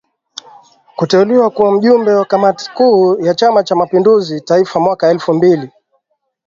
kuteuliwa kuwa Mjumbe wa Kamati Kuu ya Chama cha mapinduzi Taifa mwaka elfu mbili